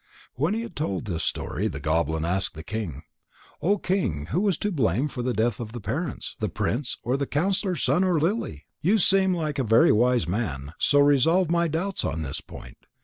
When he had told this story, the goblin asked the king: "O King, who was to blame for the death of the parents: the prince, or the counsellor's son, or Lily? You seem like a very wise man, so resolve my doubts on this point.